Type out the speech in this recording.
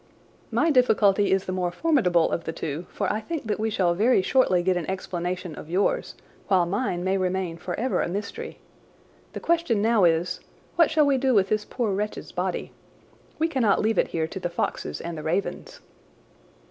"My difficulty is the more formidable of the two, for I think that we shall very shortly get an explanation of yours, while mine may remain forever a mystery. The question now is, what shall we do with this poor wretch's body? We cannot leave it here to the foxes and the ravens."